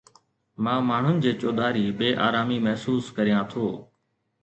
مان ماڻهن جي چوڌاري بي آرامي محسوس ڪريان ٿو